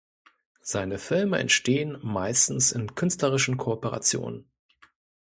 Seine Filme entstehen meistens in künstlerischen Kooperationen.